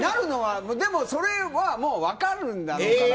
でも、それは分かるだろうから。